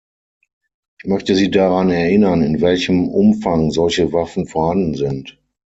Ich möchte Sie daran erinnern, in welchem Umfang solche Waffen vorhanden sind.